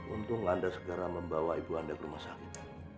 untung anda segera membawa ibu anda ke rumah sakit